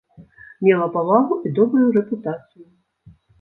Мела павагу і добрую рэпутацыю.